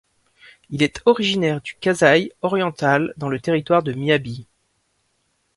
Il est originaire du Kasaï-Oriental dans le territoire de Miabi.